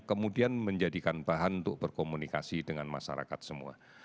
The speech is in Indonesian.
kemudian menjadikan bahan untuk berkomunikasi dengan masyarakat semua